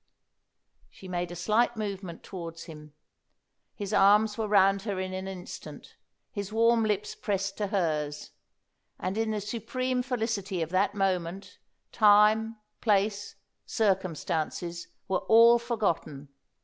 She made a slight movement towards him. His arms were round her in an instant, his warm lips pressed to hers; and in the supreme felicity of that moment, time, place, circumstances, were all forgotten.